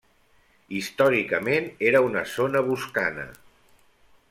Històricament era una zona boscana.